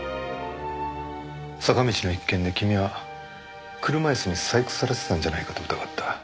坂道の一件で君は車椅子に細工されてたんじゃないかと疑った。